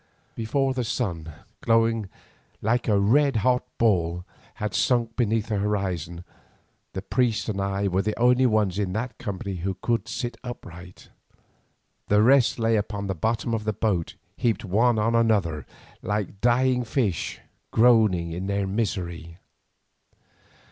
Before the sun, glowing like a red hot ball, had sunk beneath the horizon, the priest and I were the only ones in that company who could sit upright—the rest lay upon the bottom of the boat heaped one on another like dying fish groaning in their misery.